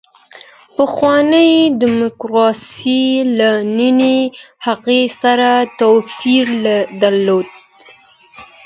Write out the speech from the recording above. پخوانۍ دیموکراسي له نننۍ هغې سره توپیر درلود.